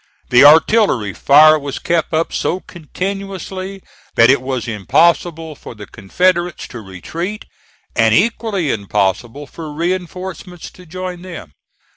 The artillery fire was kept up so continuously that it was impossible for the Confederates to retreat, and equally impossible for reinforcements to join them.